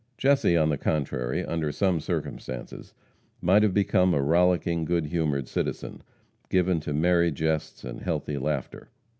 Jesse, on the contrary, under some circumstances, might have become a rollicking, good humored citizen, given to "merry jests and healthy laughter."